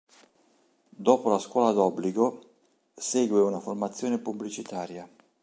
Dopo la scuola d´obbligo segue una formazione pubblicitaria.